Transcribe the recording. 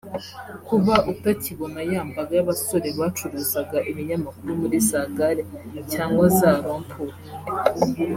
Kuba utakibona ya mbaga y’abasore bacuruzaga ibinyamakuru muri za gare cyangwa za rompuwe